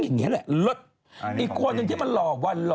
ต่อไปคุณเจมมา